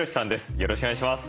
よろしくお願いします。